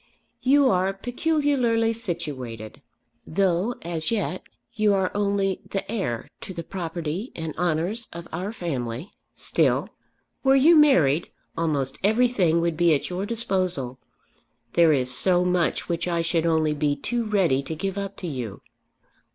"You are peculiarly situated. Though as yet you are only the heir to the property and honours of our family, still, were you married, almost everything would be at your disposal. There is so much which I should only be too ready to give up to you!"